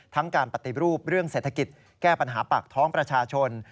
การปฏิรูปเรื่องเศรษฐกิจแก้ปัญหาปากท้องประชาชน